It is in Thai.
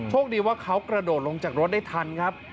ดีว่าเขากระโดดลงจากรถได้ทันครับ